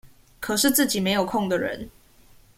可是自己沒有空的人